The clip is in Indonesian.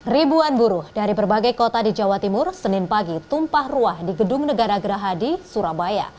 ribuan buruh dari berbagai kota di jawa timur senin pagi tumpah ruah di gedung negara gerahadi surabaya